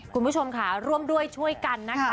คุณผู้ชมค่ะร่วมด้วยช่วยกันนะคะ